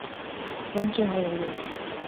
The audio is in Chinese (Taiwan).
中正二路